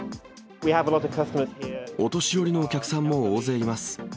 お年寄りのお客さんも大勢います。